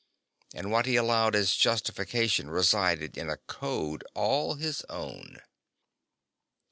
And what he allowed as justification resided in a code all his own.